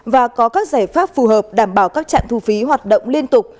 và có các giải pháp phù hợp đảm bảo các trạm thu phí hoạt động liên tục